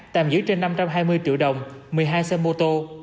tạm giữ trên năm trăm hai mươi triệu đồng một mươi hai xe mô tô